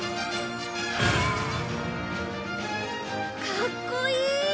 かっこいい！